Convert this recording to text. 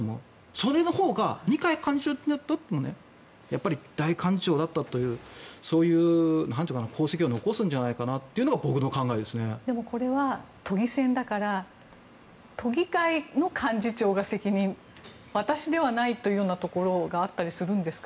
それのほうが二階幹事長にとっても大幹事長だったというそういう功績を残すんじゃないのかなというのがでも、これは都議選だから都議会の幹事長が責任私ではないというところがあったりするんですか？